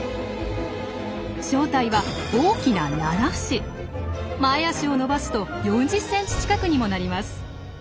正体は大きな前脚を伸ばすと４０ｃｍ近くにもなります。